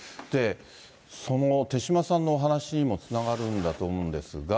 その手嶋さんのお話にもつながるんだと思うんですが。